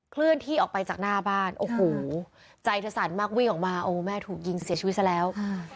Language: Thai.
เคลื่อนที่ออกไปจากหน้าบ้านโอ้โหใจเธอสั่นมากวิ่งออกมาโอ้แม่ถูกยิงเสียชีวิตซะแล้ว